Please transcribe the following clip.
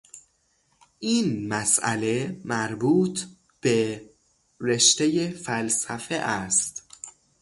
این مسئله مربوطه به رشتهی فلسفه است.